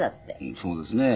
そうですね。